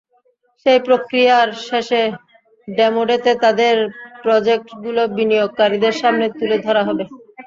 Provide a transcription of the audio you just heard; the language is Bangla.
সেই প্রক্রিয়ার শেষে ডেমোডেতে তাদের প্রজেক্টগুলো বিনিয়োগকারীদের সামনে তুলে ধরা হবে।